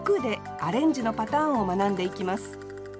アレンジのパターンを学んでいきます